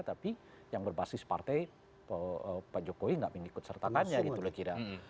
tapi yang berbasis partai pak jokowi nggak mengikut sertakannya gitu loh kira